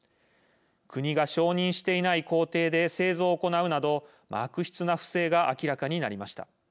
国が承認していない工程で製造を行うなど悪質な不正が明らかになりました。